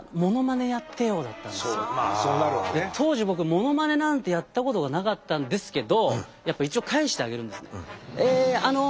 当時僕モノマネなんてやったことがなかったんですけどやっぱ一応返してあげるんですね。